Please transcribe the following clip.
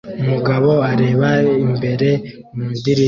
Umugabo areba imbere mu idirishya